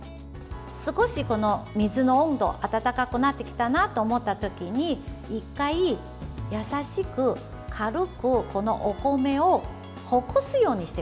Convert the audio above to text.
少し水の温度温かくなってきたなと思った時に１回、優しく、軽くお米をほぐすようにしてください。